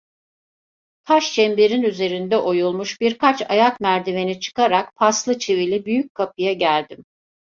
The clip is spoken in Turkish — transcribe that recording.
Taş çemberin üzerinde oyulmuş birkaç ayak merdiveni çıkarak paslı çivili, büyük kapıya geldim.